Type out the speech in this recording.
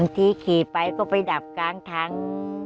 ขี่ไปก็ไปดับกลางทาง